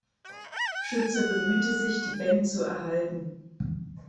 Schütze bemühte sich, die Band zu erhalten.